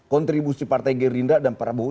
kontribusi partai gerindra dan prabowo